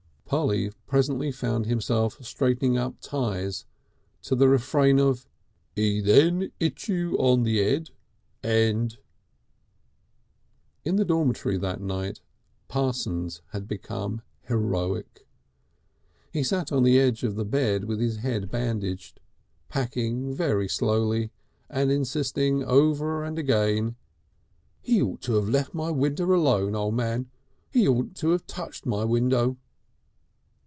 Polly presently found himself straightening up ties to the refrain of "'E then 'It you on the 'Ed and " In the dormitory that night Parsons had become heroic. He sat on the edge of the bed with his head bandaged, packing very slowly and insisting over and again: "He ought to have left my window alone, O' Man. He didn't ought to have touched my window."